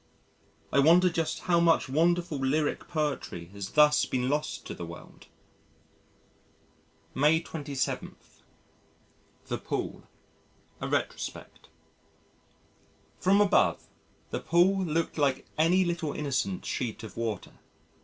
I wonder just how much wonderful lyric poetry has thus been lost to the world! May 27. The Pool: A Retrospect From above, the pool looked like any little innocent sheet of water.